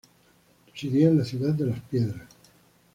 Residía en la ciudad de Las Piedras.